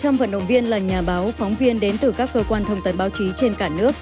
một trăm linh vận động viên là nhà báo phóng viên đến từ các cơ quan thông tấn báo chí trên cả nước